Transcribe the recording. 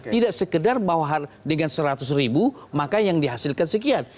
tidak sekedar bahwa dengan seratus ribu maka yang dihasilkan sekian